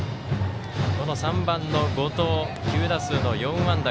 ３番の後藤９打数の４安打。